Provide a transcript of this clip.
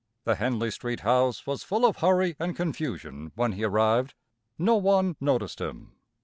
The Henley Street house was full of hurry and confusion when he arrived. No one noticed him.